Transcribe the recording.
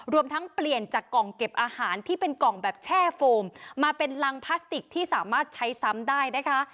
รวมทั้งเปลี่ยนจากกล่องเก็บอาหารที่เป็นกล่องแบบแช่โฟมมาเป็นรังพลาสติกที่สามารถใช้ซ้ำได้นะคะ